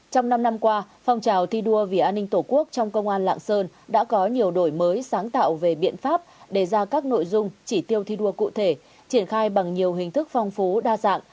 trong năm năm qua phong trào thi đua vì an ninh tổ quốc trong công an lạng sơn đã có nhiều đổi mới sáng tạo về biện pháp đề ra các nội dung chỉ tiêu thi đua cụ thể triển khai bằng nhiều hình thức phong phú đa dạng